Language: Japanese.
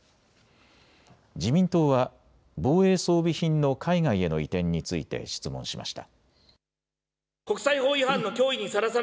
自民党は防衛装備品の海外への移転について質問しました。